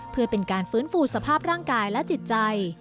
เพื่อเป็นการฟื้นฟูสภาพร่างกายและจิตใจ